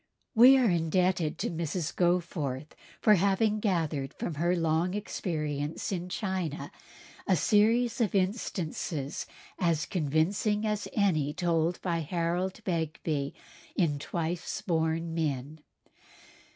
We are indebted to Mrs. Goforth for having gathered from her long experience in China a series of instances as convincing as any told by Harold Begbie in "Twice Born Men."